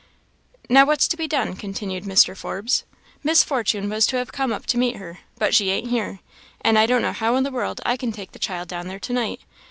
"Now, what's to be done?" continued Mr. Forbes. "Miss Fortune was to have come up to meet her, but she ain't here, and I don't know how in the world I can take the child down there to night.